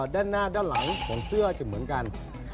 ด้านหน้าด้านหลังของเสื้อจะเหมือนกัน